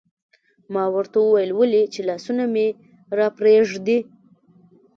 ما ورته وویل: ولې؟ چې لاسونه مې راپرېږدي.